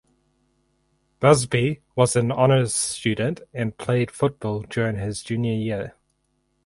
Busby was an honors student and played football during his junior year.